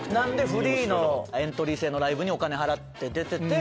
フリーのエントリー制のライブにお金払って出てて。